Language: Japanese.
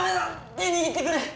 手ぇ握ってくれ！